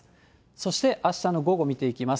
そして、あしたの午後見ていきます。